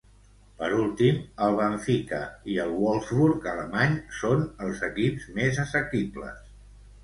Per últim, el Benfica i el Wolfsburg alemany són els equips més assequibles.